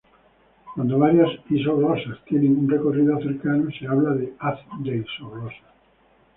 Cuando varias isoglosas tienen un recorrido cercano se habla de "haz de isoglosas".